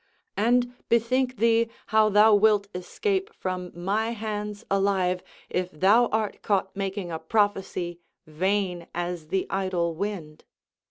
And bethink thee how thou wilt escape from my hands alive, if thou art caught making a prophecy vain as the idle wind."